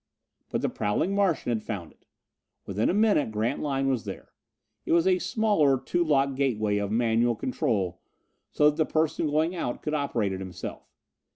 But the prowling Martian had found it! Within a minute Grantline was there. It was a smaller, two lock gateway of manual control, so that the person going out could operate it himself.